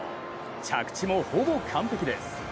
着地もほぼ完璧です。